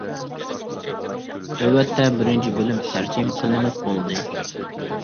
نۆۋەتتە بىرىنچى بۆلۈم تەرجىمە قىلىنىپ بولدى.